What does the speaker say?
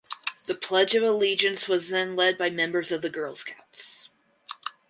The Pledge of Allegiance was then led by members of the Girl Scouts.